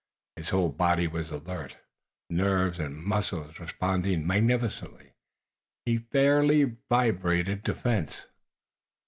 His whole body was alert, nerves and muscles responding magnificently. He fairly vibrated defense.